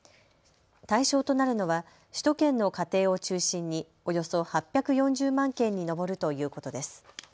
対象となるのは首都圏の家庭を中心におよそ８４０万件に上るということです。